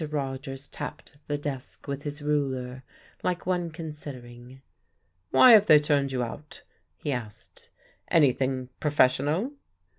Rogers tapped the desk with his ruler, like one considering. "Why have they turned you out?" he asked. "Anything professional?"